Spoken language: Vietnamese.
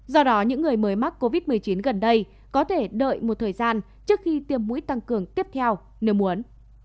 do đó những người mới mắc covid một mươi chín gần đây có thể đợi một thời gian trước khi tiêm mũi tăng cường tiếp theo nếu muốn